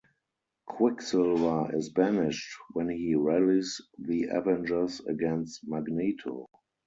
Quicksilver is banished when he rallies the Avengers against Magneto.